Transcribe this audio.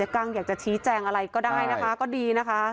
แต่ในคลิปนี้มันก็ยังไม่ชัดนะว่ามีคนอื่นนอกจากเจ๊กั้งกับน้องฟ้าหรือเปล่าเนอะ